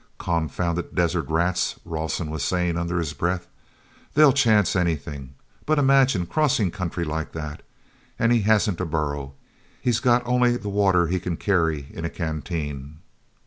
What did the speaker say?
"Confounded desert rats!" Rawson was saying under his breath. "They'll chance anything—but imagine crossing country like that! And he hasn't a burro—he's got only the water he can carry in a canteen!"